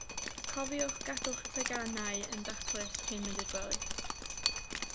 Cofiwch gadw'ch teganau yn daclus cyn mynd i'r gwely.